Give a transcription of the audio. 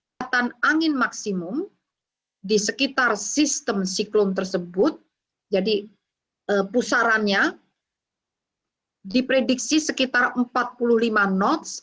kekuatan angin maksimum di sekitar sistem siklon tersebut jadi pusarannya diprediksi sekitar empat puluh lima knots